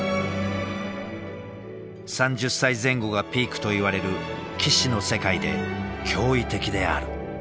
３０歳前後がピークといわれる棋士の世界で驚異的である。